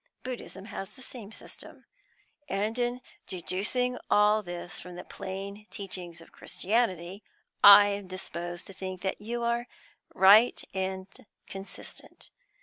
Buddhism has the same system. And, in deducing all this from the plain teachings of Christianity, I am disposed to think you are right and consistent.